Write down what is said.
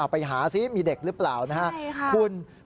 ไปหาซิมีเด็กหรือเปล่านะครับ